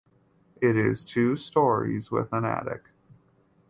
It is two storeys with an attic.